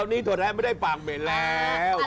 ตอนนี้ตัวแทนไม่ได้ปากเหม็นแล้ว